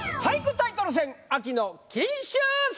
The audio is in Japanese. タイトル戦秋の金秋戦！